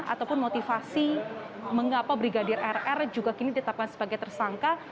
ataupun motivasi mengapa brigadir rr juga kini ditetapkan sebagai tersangka